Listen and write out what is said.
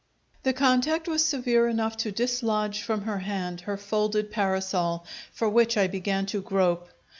The contact was severe enough to dislodge from her hand her folded parasol, for which I began to grope.